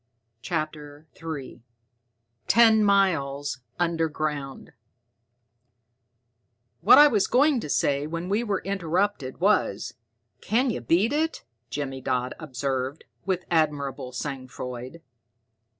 CHAPTER III Ten Miles Underground "What I was going to say when we were interrupted, was, 'Can you beat it?'" Jimmy Dodd observed, with admirable sang froid.